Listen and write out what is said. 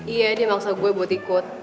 iya dia bangsa gue buat ikut